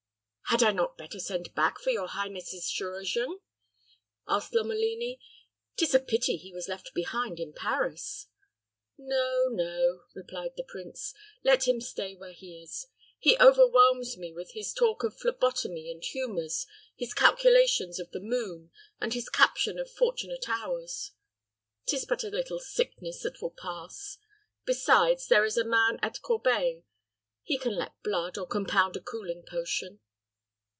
"Had I not better send back for your highness's chirurgeon?" asked Lomelini. "'Tis a pity he was left behind in Paris." "No, no," replied the prince; "let him stay where he is. He overwhelms me with his talk of phlebotomy and humors, his calculations of the moon, and his caption of fortunate hours. 'Tis but a little sickness that will pass. Besides, there is the man at Corbeil. He can let blood, or compound a cooling potion."